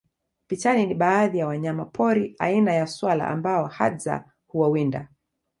Pichani ni baadhi ya wanyama pori aina ya swala ambao Hadza huwawinda